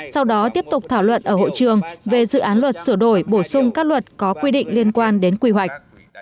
sau đó tiếp tục thảo luận ở hội trường về dự án luật sửa đổi bổ sung các luật có quy định liên quan đến quy hoạch